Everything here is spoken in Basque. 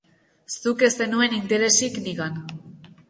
Zuk ez zenuen interesik nigan.